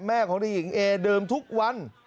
แม่ของนายหญิงเอดื่มทุกวัน